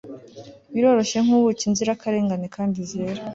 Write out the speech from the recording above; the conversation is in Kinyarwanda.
biryoshye nkubuki, inzirakarengane kandi zera